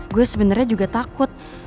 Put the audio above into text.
gue sebenernya juga takut